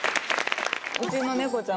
うちのネコちゃん